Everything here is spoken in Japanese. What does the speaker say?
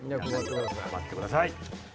配ってください。